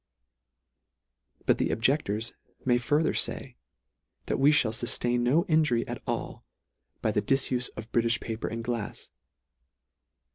But the objectors may further fay, that we (hall fuftain no injury at all by the difufe of Britifh paper and glafs.